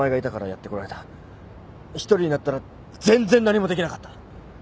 一人になったら全然何もできなかった。